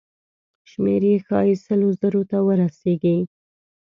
شمېر یې ښایي سلو زرو ته ورسیږي.